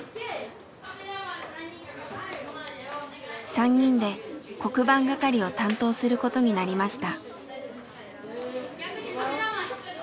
３人で黒板係を担当することになりました。